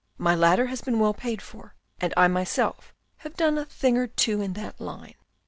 My ladder has been well paid for, and I myself have done a thing or two in that line."